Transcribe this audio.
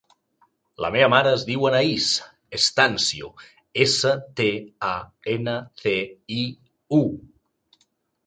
La meva mare es diu Anaís Stanciu: essa, te, a, ena, ce, i, u.